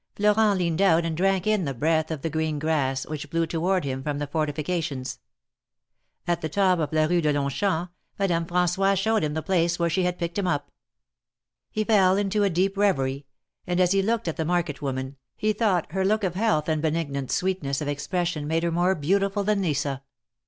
Florent leaned out and drank in the breath of the green grass, which blew toward him from the fortifications. At the top of la Rue de Longchamps, Madame Franyois showed him the place where she had picked him up. He fell into a deep reverie, and as he looked at the market woman, he thought her look of health and benignant sweetness of expression made her more beautiful than Lisa.